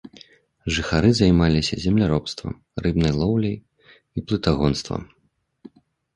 Жыхары займаліся земляробствам, рыбнай лоўляй і плытагонствам.